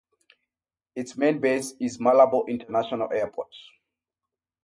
Its main base is Malabo International Airport.